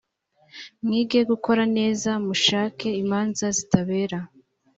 mwige gukora neza mushake imanza zitabera